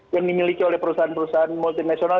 yang dimiliki oleh perusahaan perusahaan multinasional